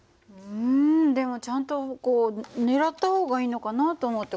うんでもちゃんとこう狙った方がいいのかなと思って。